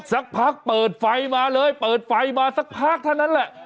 สักพักเปิดไฟมาเลยเปิดไฟมาสักพักเท่านั้นแหละ